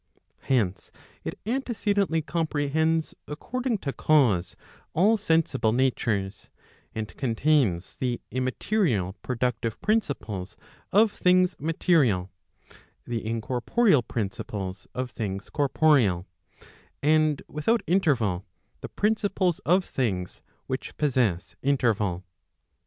Hence it antecedently comprehends according to cause all sensible natures, and contains the immaterial productive principles of things material, the incorporeal principles of things corporeal, and without inter¬ val, the principles of things which possess interval.